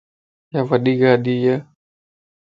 ايا وڊي ڳاڙي ا